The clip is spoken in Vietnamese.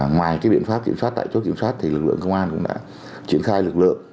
ngoài biện pháp kiểm soát tại chỗ kiểm soát lực lượng công an cũng đã triển khai lực lượng